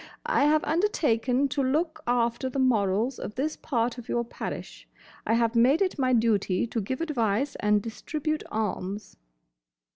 —"I have undertaken to look after the morals of this part of your parish. I have made it my duty to give advice and distribute alms."